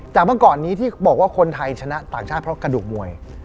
แต่เมื่อก่อนนี้ที่บอกว่าคนไทยชนะต่างชาติเพราะกระดูกมวย